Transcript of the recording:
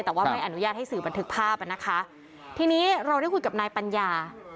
แต่ว่าไม่อนุญาตให้สื่อบันทึกภาพอ่ะนะคะทีนี้เราได้คุยกับนายปัญญา